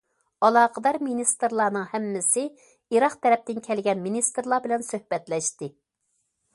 ئالاقىدار مىنىستىرلارنىڭ ھەممىسى ئىراق تەرەپتىن كەلگەن مىنىستىرلار بىلەن سۆھبەتلەشتى.